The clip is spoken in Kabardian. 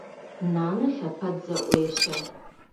Нанэ лъэпэд зэӏуещэ.